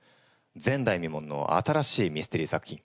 前代未聞の新しいミステリー作品。